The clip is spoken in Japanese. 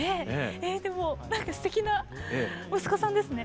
でもなんかすてきな息子さんですね。